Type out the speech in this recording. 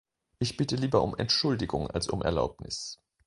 Ich bitte lieber um Entschuldigung als um Erlaubnis.